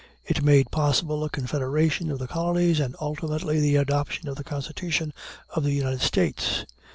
It made possible a confederation of the colonies, and, ultimately, the adoption of the Constitution of the United States.